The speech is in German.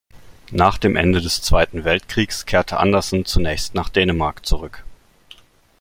Nach dem Ende des Zweiten Weltkriegs kehrte Andersen zunächst nach Dänemark zurück.